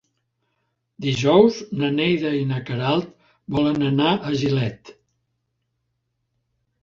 Dijous na Neida i na Queralt volen anar a Gilet.